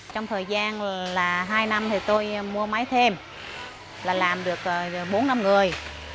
trong thời gian hai năm tôi mua máy thêm làm được bốn năm người